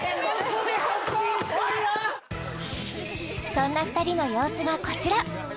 そんな２人の様子がこちら